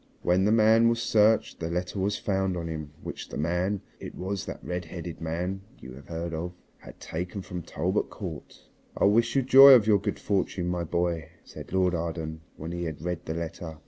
When the man was searched the letter was found on him which the man it was that redheaded man you have heard of had taken from Talbot Court. "I wish you joy of your good fortune, my boy," said Lord Arden when he had read the letter.